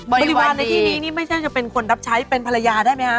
บริวารในที่นี้นี่ไม่ใช่จะเป็นคนรับใช้เป็นภรรยาได้ไหมฮะ